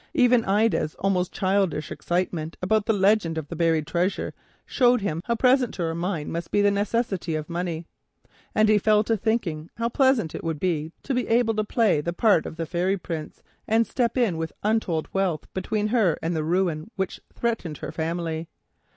Even Ida's almost childish excitement about the legend of the buried treasure showed him how present to her mind must be the necessity of money; and he fell to thinking how pleasant it would be to be able to play the part of the Fairy Prince and step in with untold wealth between her and the ruin which threatened her family.